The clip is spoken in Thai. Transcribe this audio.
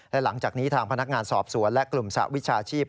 และหลังจากนี้ทางพนักงานสอบสวนและกลุ่มสหวิชาชีพ